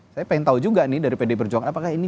saya ingin tahu juga nih dari pd perjuangan apakah ini